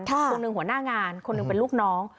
คนหนึ่งหัวหน้างานคนหนึ่งเป็นลูกน้อง